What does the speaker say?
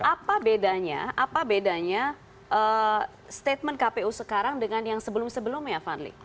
apa bedanya statement kpu sekarang dengan yang sebelum sebelumnya vanli